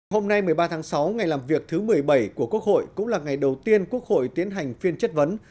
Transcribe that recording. hôm nay một mươi ba tháng sáu ngày làm việc thứ một mươi bảy của quốc hội cũng là ngày đầu tiên quốc hội tiến hành phiên chất vấn